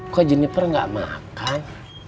kok jennifer gak makan